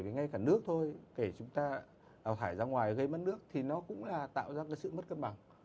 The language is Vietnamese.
vì ngay cả nước thôi kể chúng ta đào thải ra ngoài gây mất nước thì nó cũng là tạo ra sự mất cân bằng